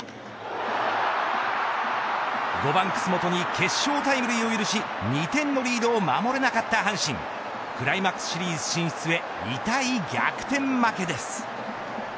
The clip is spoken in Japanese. ５番楠本に決勝タイムリーを許し２点のリードを守れなかった阪神クライマックスシリーズ進出へ痛い逆転負けです。